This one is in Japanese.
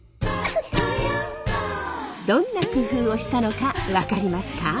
どんな工夫をしたのか分かりますか？